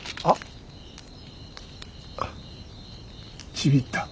あっ。